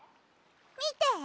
みて！